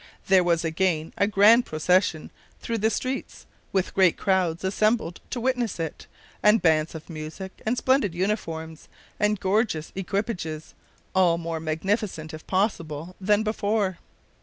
There was again a grand procession through the streets, with great crowds assembled to witness it, and bands of music, and splendid uniforms, and gorgeous equipages, all more magnificent, if possible, than before.